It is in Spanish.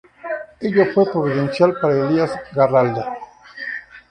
Ello fue providencial para Elías Garralda.